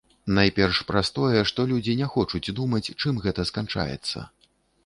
Найперш праз тое, што людзі не хочуць думаць, чым гэта сканчаецца.